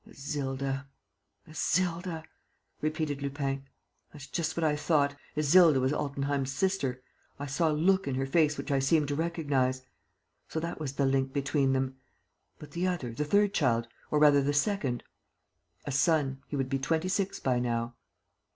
'" "Isilda. ... Isilda," repeated Lupin. "That's just what I thought: Isilda was Altenheim's sister. ... I saw a look in her face which I seemed to recognize. ... So that was the link between them. ... But the other, the third child, or rather the second?" "A son. He would be twenty six by now."